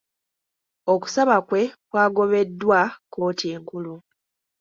Okusaba kwe kwagobeddwa kkooti enkulu.